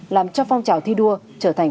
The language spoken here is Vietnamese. làm cho phong trào thi đua trở thành